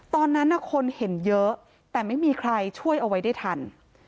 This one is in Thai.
ตอนนั้นคนเห็นเยอะแต่ไม่มีใครช่วยเอาไว้ได้ทัน